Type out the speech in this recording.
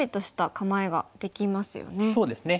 そうですね。